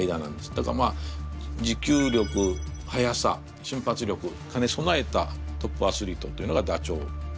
だからまあ持久力・速さ・瞬発力かねそなえたトップアスリートというのがダチョウになってきます。